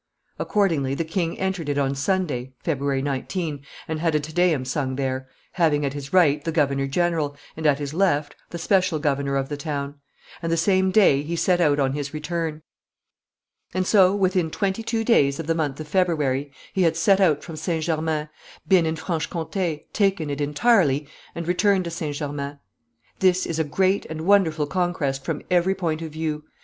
Accordingly, the king entered it on Sunday, February 19, and had a Te Deum sung there, having at his right the governor general, and at his left the special governor of the town; and, the same day, he set out on his return. And so, within twenty two days of the month of February, he had set out from St. Germain, been in Franche Comte, taken it entirely, and returned to St. Germain. This is a great and wonderful conquest from every point of view.